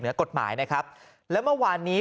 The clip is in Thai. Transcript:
เหนือกฎหมายนะครับแล้วเมื่อวานนี้